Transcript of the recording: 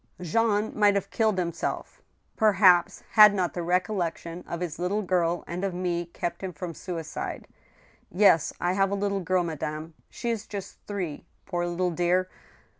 " Jean might have killed himself, perhaps, had not the recollec tion of his little girl and of me kept him from suicide. Yes, I have a little girl, madame. She is just three, poor little dear!